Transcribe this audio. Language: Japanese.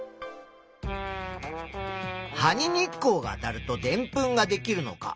「葉に日光があたるとでんぷんができるのか」